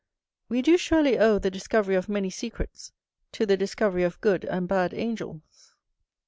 We do surely owe the discovery of many secrets to the discovery of good and bad angels.